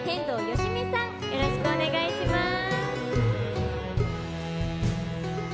よろしくお願いします。